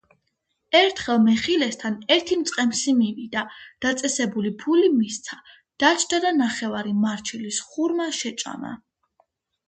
ერთხელ მეხილესთან ერთი მწყემსი მივიდა, დაწესებული ფული მისცა, დაჯდა და ნახევარი მარჩილის ხურმა შეჭამა.